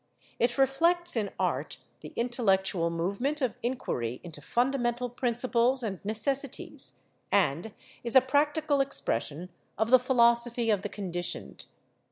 It reflects in art the intellectual movement of inquiry into fundamental principles and necessities, and is a practical expression of the philosophy of the conditioned.